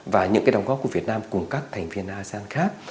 và những đồng góp của việt nam cùng các thành viên asean khác